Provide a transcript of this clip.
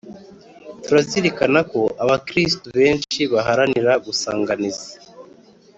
turazirikana ko abakristu benshi baharanira gusanganiza